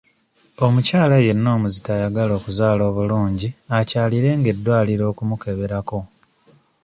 Omukyala yenna omuzito ayagala okuzaala obulungi akyalirenga eddwaliro okumukeberako.